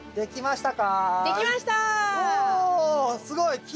すごい！